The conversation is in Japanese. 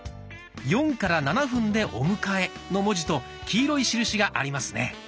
「４７分でお迎え」の文字と黄色い印がありますね。